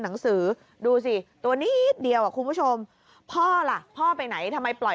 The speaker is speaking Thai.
หนังสือดูสิตัวนิดเดียวอ่ะคุณผู้ชมพ่อล่ะพ่อไปไหนทำไมปล่อย